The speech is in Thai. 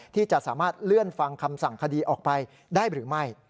ที่จะสามารถเลื่อนฟังคำสั่งคดีออกไปได้หรือไม่